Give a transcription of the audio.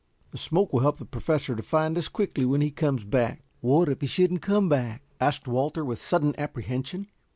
"The smoke will help the Professor to find us quickly when he comes back." "What if he shouldn't come back?" asked Walter, with sudden apprehension.